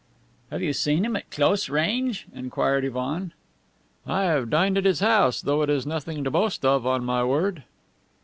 "Have you seen him at close range?" inquired Ivan. "I have dined at his house, though it is nothing to boast of, on my word."